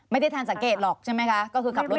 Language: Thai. ไม่ได้ทันสังเกตหรอกใช่ไหมคะก็คือขับรถ